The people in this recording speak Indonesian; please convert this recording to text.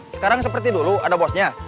sekarang seperti dulu ada bosnya